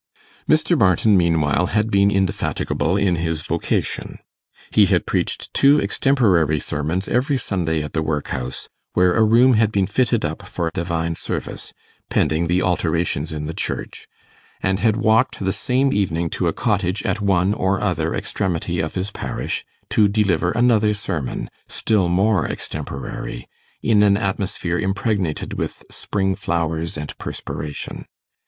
Mr. Barton, meanwhile, had been indefatigable in his vocation. He had preached two extemporary sermons every Sunday at the workhouse, where a room had been fitted up for divine service, pending the alterations in the church; and had walked the same evening to a cottage at one or other extremity of his parish to deliver another sermon, still more extemporary, in an atmosphere impregnated with spring flowers and perspiration.